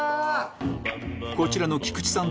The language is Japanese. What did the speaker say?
こちらの菊地さん